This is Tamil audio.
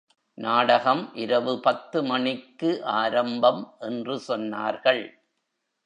நாடகம் இரவு பத்து மணிக்கு ஆரம்பம் என்று சொன்னார்கள்.